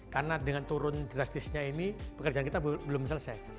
karena dengan turun drastisnya ini pekerjaan kita belum selesai